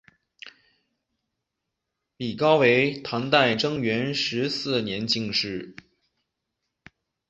李翱为唐代贞元十四年进士。